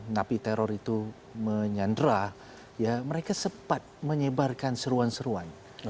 napi teror itu menyandra ya mereka sempat menyebarkan seruan seruan